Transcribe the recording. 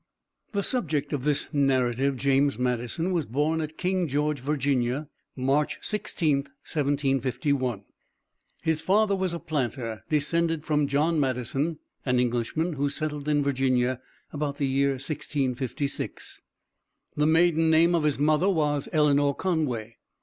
The subject of this narrative, James Madison, was born at King George, Virginia, March 16th, 1751. His father was a planter, descended from John Madison, an Englishman who settled in Virginia about the year 1656. The maiden name of his mother was Eleanor Conway.